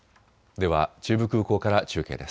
では中部空港から中継です。